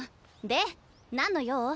で何の用？